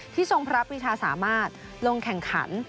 ทรงพระพิธาสามารถลงแข่งขัน